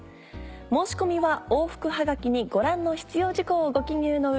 申し込みは往復ハガキにご覧の必要事項をご記入の上